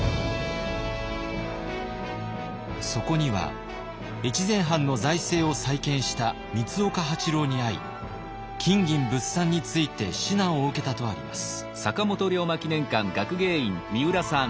そこには越前藩の財政を再建した三岡八郎に会い金銀物産について指南を受けたとあります。